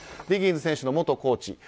ディギンズ選手の元コーチ。